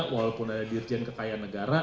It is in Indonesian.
walaupun ada dirjen kekayaan negara